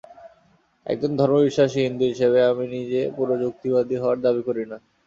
একজন ধর্মবিশ্বাসী হিন্দু হিসেবে আমি নিজে পুরো যুক্তিবাদী হওয়ার দাবি করি না।